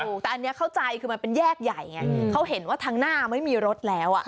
ถูกแต่อันนี้เข้าใจคือมันเป็นแยกใหญ่ไงเขาเห็นว่าทางหน้าไม่มีรถแล้ว